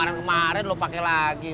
dia punya keranjek keluar nih